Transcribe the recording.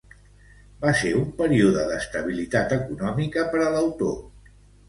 Va ser un període d'estabilitat econòmica per a l'autor.